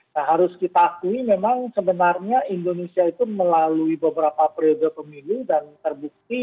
nah harus kita akui memang sebenarnya indonesia itu melalui beberapa periode pemilu dan terbukti